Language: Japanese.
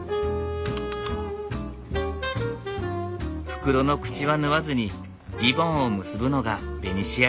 袋の口は縫わずにリボンを結ぶのがベニシア流。